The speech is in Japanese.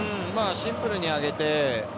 シンプルに上げて。